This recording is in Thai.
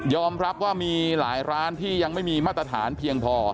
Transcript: รับว่ามีหลายร้านที่ยังไม่มีมาตรฐานเพียงพอ